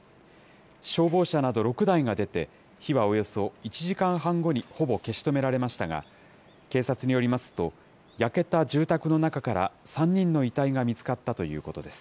消防車など６台が出て、火はおよそ１時間半後にほぼ消し止められましたが、警察によりますと、焼けた住宅の中から３人の遺体が見つかったということです。